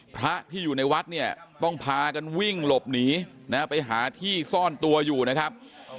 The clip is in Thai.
พระที่อยู่ในวัดเนี่ยต้องพากันวิ่งหลบหนีนะฮะไปหาที่ซ่อนตัวอยู่นะครับ